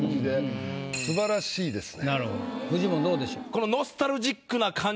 フジモンどうでしょう？